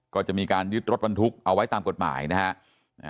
ก็จะมีการยึดรถบรรทุกเอาไว้ตามกฎหมายนะฮะ